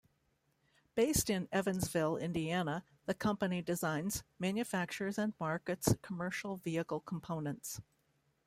Based in Evansville, Indiana, the company designs, manufactures and markets commercial vehicle components.